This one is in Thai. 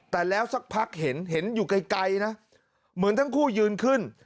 แต่แล้วสักพักเห็นเห็นอยู่ไกลนะเหมือนทั้งคู่ยืนขึ้น